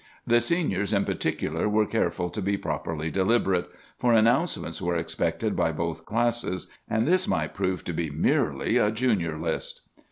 The Seniors, in particular, were careful to be properly deliberate; for announcements were expected by both classes, and this might prove to be merely a Junior list!